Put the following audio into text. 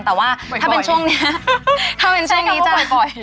แต่ว่าถ้าเป็นช่วงนี้ใช่ค่ะว่าปล่อย